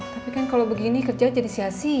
tapi kan kalau begini kerja jadi sia sia